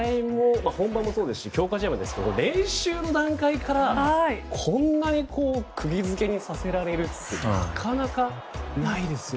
本番もそうですし強化試合もそうですけど練習の段階からこんなにくぎ付けにさせられるってなかなかないですよね。